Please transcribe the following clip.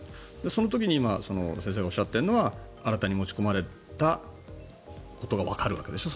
その時に先生がおっしゃっているのは新たに持ち込まれたことがわかるわけでしょ